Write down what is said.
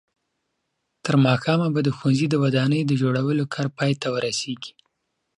تر ماښامه به د ښوونځي د ودانۍ جوړولو کار پای ته ورسېږي.